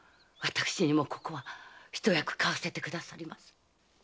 私にもここは一役買わせてくださいませ。